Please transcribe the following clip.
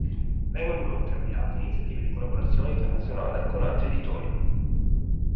Vengono inoltre avviate iniziative di collaborazione internazionale con altri editori.